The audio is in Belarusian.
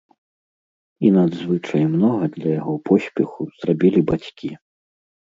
І надзвычай многа для яго поспеху зрабілі бацькі.